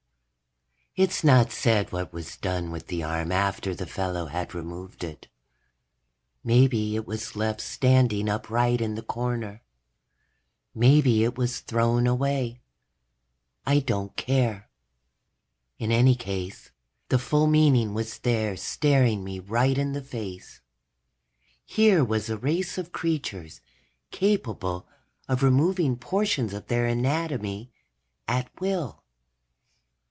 _ It's not said what was done with the arm after the fellow had removed it. Maybe it was left standing upright in the corner. Maybe it was thrown away. I don't care. In any case, the full meaning was there, staring me right in the face. Here was a race of creatures capable of removing portions of their anatomy at will.